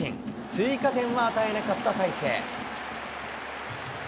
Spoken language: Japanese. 追加点は与えなかった大勢。